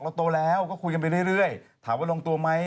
โตแล้วก็คุยกันไปเรื่อยถามว่าลงตัวไหม